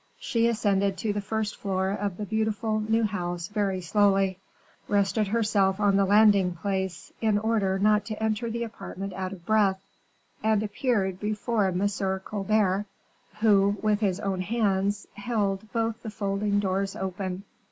She ascended to the first floor of the beautiful new house very slowly, rested herself on the landing place, in order not to enter the apartment out of breath, and appeared before M. Colbert, who, with his own hands, held both the folding doors open.